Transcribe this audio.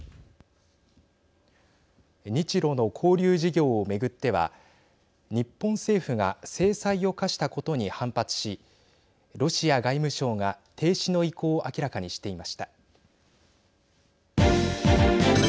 日ロの交流事業を巡っては日本政府が制裁を科したことに反発しロシア外務省が停止の意向を明らかにしていました。